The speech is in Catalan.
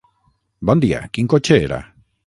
Bon dia, quin cotxe era?